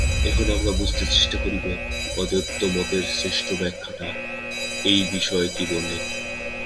এখন আমরা বুঝিতে চেষ্টা করিব, অদ্বৈতমতের শ্রেষ্ঠ ব্যাখ্যাতা এই বিষয়ে কি বলেন।